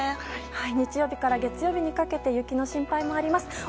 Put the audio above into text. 日曜日から月曜日にかけて雪の心配もあります。